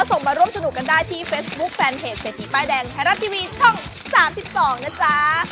ส่งมาร่วมสนุกกันได้ที่เฟซบุ๊คแฟนเพจเศรษฐีป้ายแดงไทยรัฐทีวีช่อง๓๒นะจ๊ะ